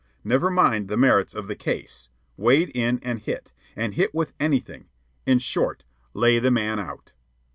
Never mind the merits of the case wade in and hit, and hit with anything; in short, lay the man out.